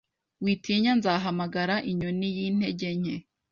Witinya nzahamagara inyoni yintege nke